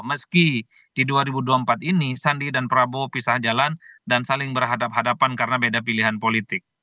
meski di dua ribu dua puluh empat ini sandi dan prabowo pisah jalan dan saling berhadapan hadapan karena beda pilihan politik